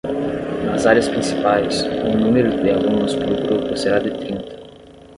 Nas áreas principais, o número de alunos por grupo será de trinta.